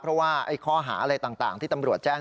เพราะว่าข้อหาอะไรต่างที่ตำรวจแจ้ง